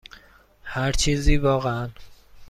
هر چیزی، واقعا.